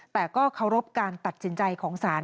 แต่ก็เคารพการตัดสินใจของศาล